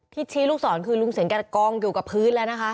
ชี้ลูกศรคือลุงเสียงแกกองอยู่กับพื้นแล้วนะคะ